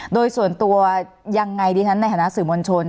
โดยส่วนตัวยังไงดิฉันในฐานะสื่อมวลชน